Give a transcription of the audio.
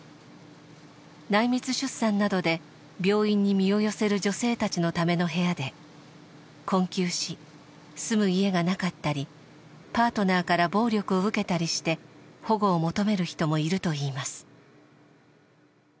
内密出産などで病院に身を寄せる女性たちのための部屋で困窮し住む家がなかったりパートナーから暴力を受けたりして保護を求める人もいるといいます。